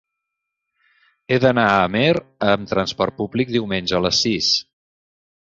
He d'anar a Amer amb trasport públic diumenge a les sis.